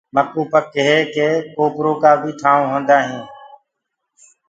مڪوُ پڪ هي ڪي ڪوپرو ڪآ ٺآيونٚ بي هوندآ هينٚ۔